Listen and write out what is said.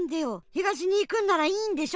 東にいくんならいいんでしょ。